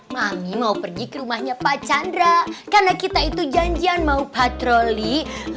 mami mau pergi ke rumahnya pak chandra karena kita itu janjian mau patroli